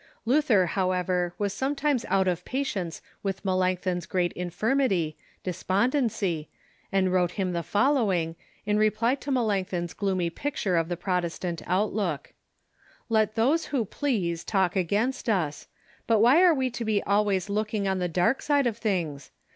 Luther, however, was sometimes out of patience with Melanchthon's great infirmity, despondency, and wrote him the following, in reply to Melanchthon's gloomy picture of the Protestant outlook :" Let those who please talk against us. But Avliy are we to be always looking on the dark side of things?